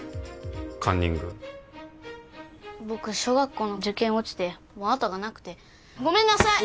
カンニング僕小学校の受験落ちてもう後がなくてごめんなさい！